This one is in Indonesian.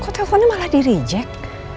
kok teleponnya malah di reject